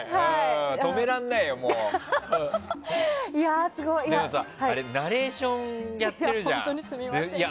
止められないよ、もう。というかさナレーションやってるじゃん。